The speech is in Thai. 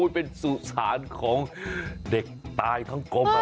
เป็นสุสานของเด็กตายทั้งกลม